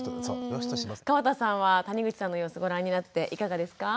川田さんは谷口さんの様子ご覧になっていかがですか？